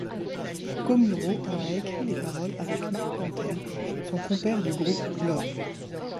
Komuro en a écrit les paroles avec Marc Panther, son compère du groupe globe.